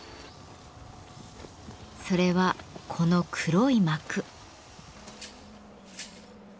それはこの黒い幕。